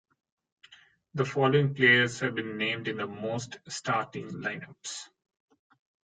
The following players have been named in the most starting line-ups.